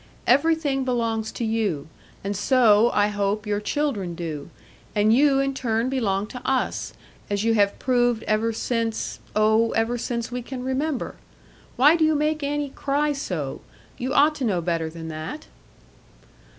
Everything belongs to you; and so, I hope, your children do. And you, in turn, belong to us; as you have proved ever since oh, ever since we can remember. Why do you make Annie cry so? You ought to know better than that.'